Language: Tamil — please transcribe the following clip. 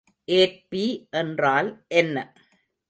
ஏற்பி என்றால் என்ன?